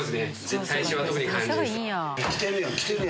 最初は特に感じますよ。